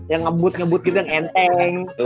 yang ngebut ngebut gitu yang enteng